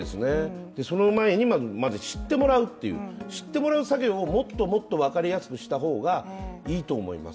その前にまず知ってもらうという知ってもらう作業を分かりやすくした方がいいと思います。